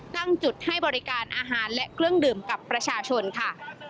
ตั้งจุดให้บริการอาหารและเครื่องดื่มกับประชาชนค่ะ